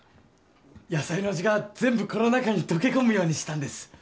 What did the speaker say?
野菜の味が全部この中に溶け込むようにしたんです